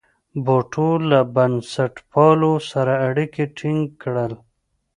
بوټو له بنسټپالو سره اړیکي ټینګ کړل.